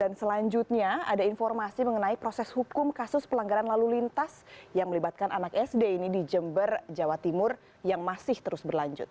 dan selanjutnya ada informasi mengenai proses hukum kasus pelanggaran lalu lintas yang melibatkan anak sd ini di jember jawa timur yang masih terus berlanjut